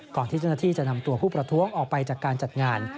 ที่เจ้าหน้าที่จะนำตัวผู้ประท้วงออกไปจากการจัดงาน